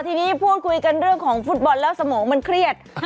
ทีนี้พูดคุยกันเรื่องของฟุตบอลแล้วสมองมันเครียด